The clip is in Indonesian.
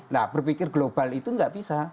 nah berpikir global itu nggak bisa